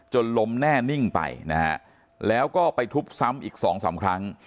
ล้มแน่นิ่งไปนะฮะแล้วก็ไปทุบซ้ำอีกสองสามครั้ง